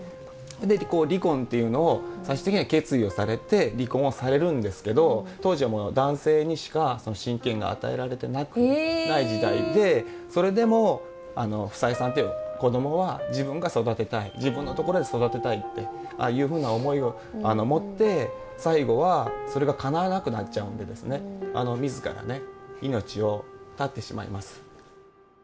で離婚っていうのを最終的には決意をされて離婚をされるんですけど当時はもう男性にしか親権が与えられてない時代でそれでもふさえさんっていう子どもは自分が育てたい自分のところで育てたいっていうふうな思いを持って最後はそれがかなわなくなっちゃうんであの自らね命を絶ってしまいます。